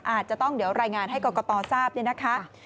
อาจจะต้องเดี๋ยวรายงานให้กรกตทราบเนี่ยนะคะ